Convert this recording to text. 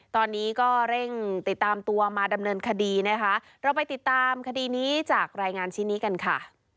ตอนนี้ก็เร่งติดตามตัวมาดำเนินคดีนะคะเราไปติดตามคดีนี้จากรายงานชิ้นนี้กันค่ะ